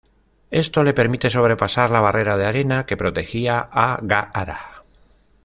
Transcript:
Esto le permite sobrepasar la barrera de arena que protegía a Gaara.